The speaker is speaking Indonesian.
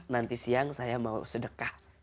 nanti siang saya mau sedekah